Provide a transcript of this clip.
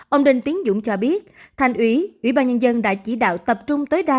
ông đinh tiến dũng cho biết thành ủy ủy ban nhân dân đã chỉ đạo tập trung tối đa